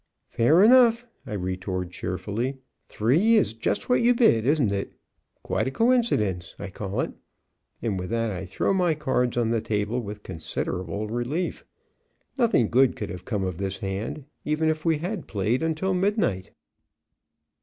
"Fair enough," I retort cheerfully, "three is just what you bid, isn't it? Quite a coincidence, I call it," and with that I throw my cards on the table with considerable relief. Nothing good could have come of this hand, even if we had played until midnight.